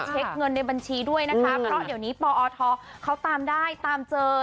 เช็คเงินในบัญชีด้วยนะคะเพราะเดี๋ยวนี้ปอทเขาตามได้ตามเจอ